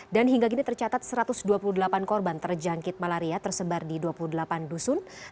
dan hingga gini tercatat satu ratus dua puluh delapan korban terjangkit malaria tersebar di dua puluh delapan dusun